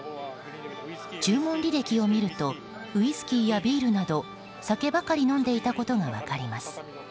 注文履歴を見るとウイスキーやビールなど酒ばかり飲んでいたことが分かります。